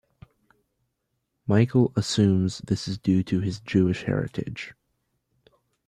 Michael assumes this is due to his Jewish heritage.